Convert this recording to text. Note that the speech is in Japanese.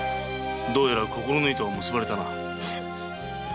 どうやら心の糸は結ばれたな。